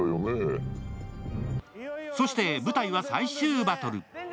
そして舞台は最終バトル。